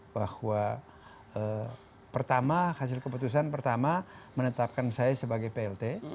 bahwa pertama hasil keputusan pertama menetapkan saya sebagai plt